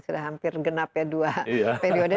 sudah hampir genap ya dua periode